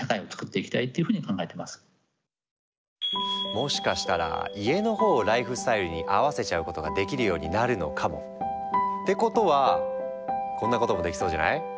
もしかしたら家のほうをライフスタイルに合わせちゃうことができるようになるのかも！ってことはこんなこともできそうじゃない？